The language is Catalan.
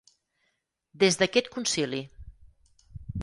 Des d'aquest Concili.